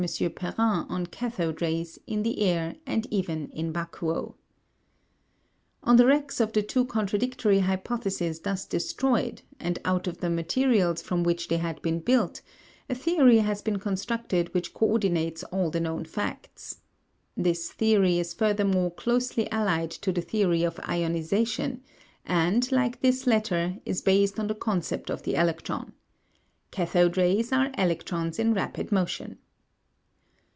Perrin on cathode rays in the air and even in vacuo. On the wrecks of the two contradictory hypotheses thus destroyed, and out of the materials from which they had been built, a theory has been constructed which co ordinates all the known facts. This theory is furthermore closely allied to the theory of ionisation, and, like this latter, is based on the concept of the electron. Cathode rays are electrons in rapid motion.